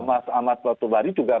mas ahmad batubari juga